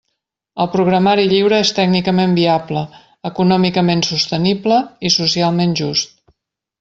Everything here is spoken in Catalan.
El programari lliure és tècnicament viable, econòmicament sostenible i socialment just.